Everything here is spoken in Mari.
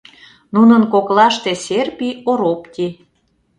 Нунын коклаште Серпи, Оропти.